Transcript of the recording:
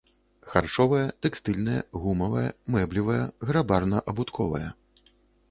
Харчовая, тэкстыльная, гумавая, мэблевая, гарбарна-абутковая.